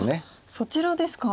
そちらですか。